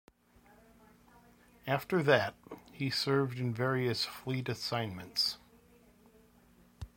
After that he served in various Fleet assignments.